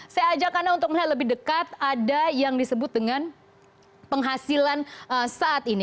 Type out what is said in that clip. saya ajak anda untuk melihat lebih dekat ada yang disebut dengan penghasilan saat ini